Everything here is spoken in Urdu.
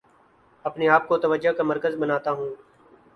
اپنے آپ کو توجہ کا مرکز بناتا ہوں